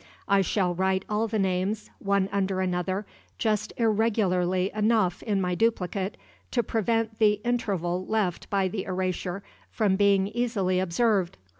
I shall write all the names, one under another, just irregularly enough in my duplicate to prevent the interval left by the erasure from being easily observed.